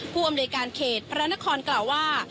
ผู้อำนวยการเขตพระนครกล่าวว่า